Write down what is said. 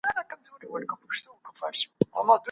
نه یوازي چي دلته د ګډوډیو لاره هواره سوه.